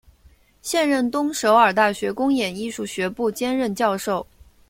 现任东首尔大学公演艺术学部兼任教授。